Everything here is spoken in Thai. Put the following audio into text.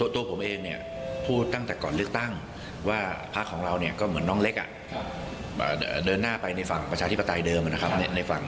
ที่ผ่านมารวมถึงในอนาคตด้วย